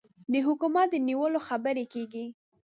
د حکومت د نیولو خبرې کېږي.